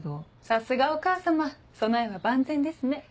さすがお母様備えは万全ですね。